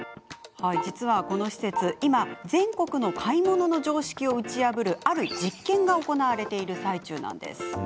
実は、この施設今、全国の買い物の常識を打ち破るある実験が行われている最中なんです。